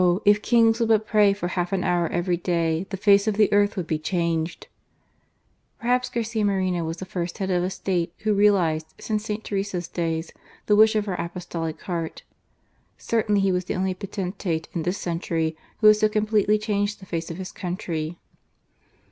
if kings would but pray for half an hour every day, the face of the earth would be changed !" Perhaps Garcia Moreno was the first head of a State who realized, since St. Teresa's days, the wish of her Apostolic heart. Certainly he was the only poten tate in this century who had so completely changed the face of his country.